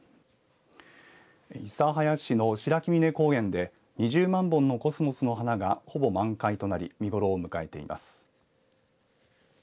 諫早市の白木峰高原で２０万本のコスモスの花がほぼ満開となり見頃を迎えています。